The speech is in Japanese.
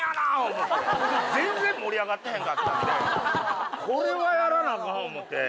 思うて全然盛り上がってへんかったんでこれはやらなアカンわ思うて。